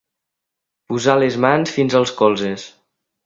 Posar les mans fins als colzes.